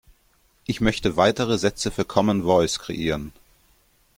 Ich möchte weitere Sätze für Common Voice kreieren.